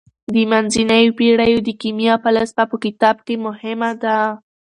د منځنیو پیړیو د کیمیا فلسفه په کتاب کې مهمه ده.